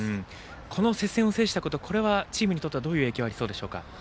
この接戦を制したことはチームにとってどういう影響がありそうでしょう。